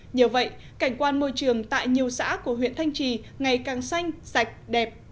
nhờ vậy cảnh quan môi trường tại nhiều xã của huyện thanh trì ngày càng xanh sạch đẹp